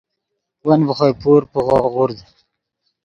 ون ڤے خوئے پور پیغو غورد